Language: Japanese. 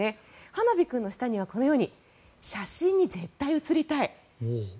はなび君の下には、このように写真に絶対写りたい。